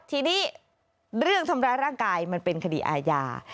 ทีนี้เรื่องทำร้ายร่างกายมันเป็นคดีอาญา